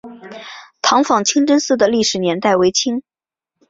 塘坊清真寺的历史年代为清。